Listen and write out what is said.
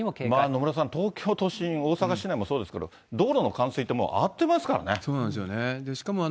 野村さん、東京都心、大阪市内もそうですけど、道路の冠水って、そうなんですよね。